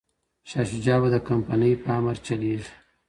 شاه شجاع به د کمپانۍ په امر چلیږي.